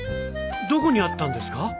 どこにあったんですか？